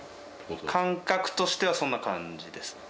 感覚としてはそんな感じですね。